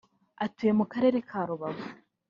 atuye mu Karere ka Rubavu